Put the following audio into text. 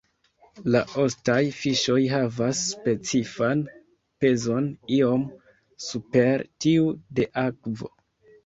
La ostaj fiŝoj havas specifan pezon iom super tiu de akvo.